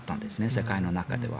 世界の中では。